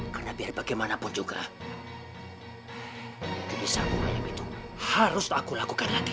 karena biar bagaimanapun juga kebisaan bayam itu harus aku lakukan lagi